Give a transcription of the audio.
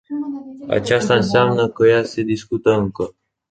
Aceasta înseamnă că ea se discută încă.